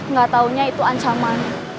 gak taunya itu ancaman